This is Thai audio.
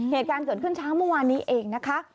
เหตุการณ์เกิดขึ้นเช้าเมื่อวานนี้เองนะคะ